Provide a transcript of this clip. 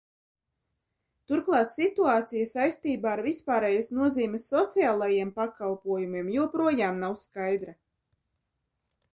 Turklāt situācija saistībā ar vispārējas nozīmes sociālajiem pakalpojumiem joprojām nav skaidra.